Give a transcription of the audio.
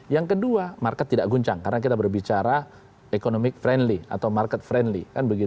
yang kedua market tidak guncang karena kita berbicara economic friendly atau market friendly